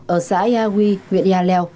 ở xã ea huy huyện ea leo